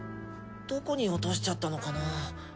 どこに落としちゃったのかな？